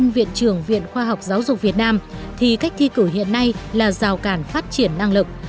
viện trưởng viện khoa học giáo dục việt nam thì cách thi cử hiện nay là rào cản phát triển năng lực